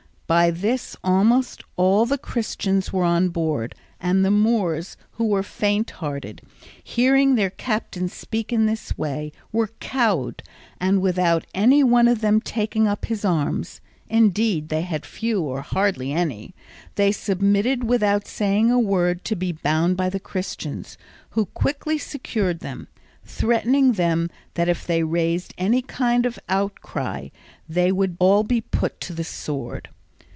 By this almost all the Christians were on board, and the Moors, who were fainthearted, hearing their captain speak in this way, were cowed, and without any one of them taking to his arms (and indeed they had few or hardly any) they submitted without saying a word to be bound by the Christians, who quickly secured them, threatening them that if they raised any kind of outcry they would be all put to the sword.